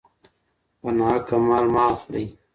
په ناحقه مال مه اخلئ.